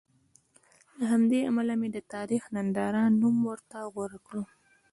له همدې امله مې د تاریخ ننداره نوم ورته غوره کړ.